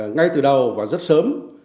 ngay từ đầu và rất sớm